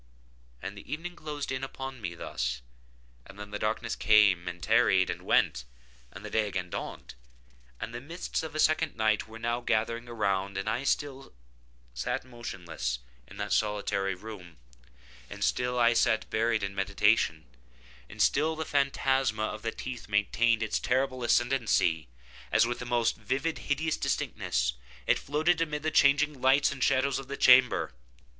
And the evening closed in upon me thus—and then the darkness came, and tarried, and went—and the day again dawned—and the mists of a second night were now gathering around—and still I sat motionless in that solitary room—and still I sat buried in meditation—and still the phantasma of the teeth maintained its terrible ascendancy, as, with the most vivid hideous distinctness, it floated about amid the changing lights and shadows of the chamber.